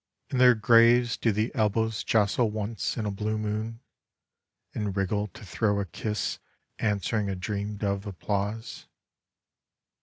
In their graves do the elbows jostle once in a blue moon — ^and wriggle to throw a kiss answering a dreamed of applause?